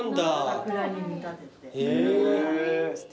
桜に見立てて。